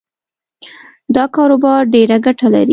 دا کاروبار ډېره ګټه لري